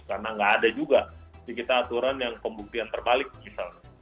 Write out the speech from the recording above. karena tidak ada juga di kita aturan yang pembuktian terbalik misalnya